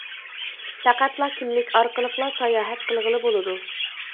پەقەتلا كىملىك ئارقىلىقلا ساياھەت قىلغىلى بولىدۇ.